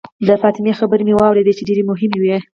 د فاطمې خبرې مې واورېدې چې ډېرې مهمې وې.